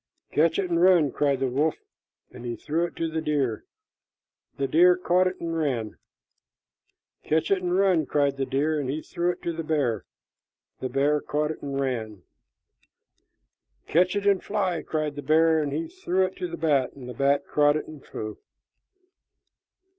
"Catch it and run!" cried the wolf, and he threw it to the deer. The deer caught it and ran. "Catch it and run!" cried the deer, and he threw it to the bear. The bear caught it and ran. "Catch it and fly!" cried the bear, and he threw it to the bat. The bat caught it and flew.